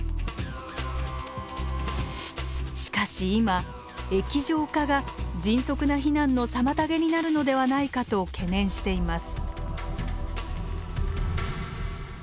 しかし今液状化が迅速な避難の妨げになるのではないかと懸念しています。